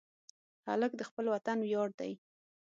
هلک د خپل وطن ویاړ دی.